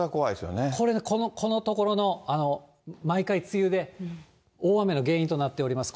これが、このところの毎回、梅雨で大雨の原因となっております。